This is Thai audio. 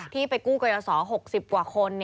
ที่ไปกู้กรยาศร๖๐กว่าคน